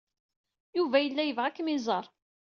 Yuba yella yebɣa ad kem-iẓer.